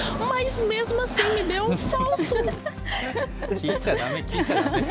聞いちゃだめ、聞いちゃだめ。